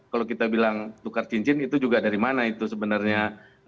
kalau kita bilang tukar cincin itu juga dari mana itu sebenarnya